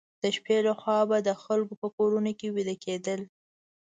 د شپې لخوا به د خلکو په کورونو کې ویده کېدل.